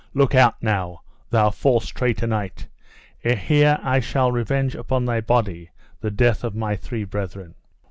Look out now, thou false traitor knight, and here I shall revenge upon thy body the death of my three brethren.